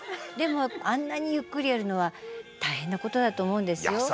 でもあんなにゆっくりやるのは大変なことだと思うんですよ。